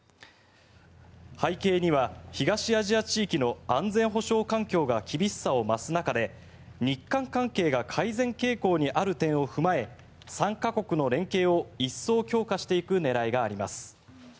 背景には東アジア地域の安全保障環境が厳しさを増す中で日韓関係が改善傾向にある点を踏まえ３か国の連携を一層強化していく狙いがあります。